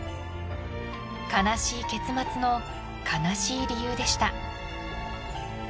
［悲しい結末の悲しい理由でした］